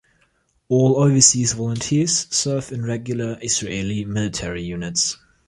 All overseas volunteers serve in regular Israeli military units.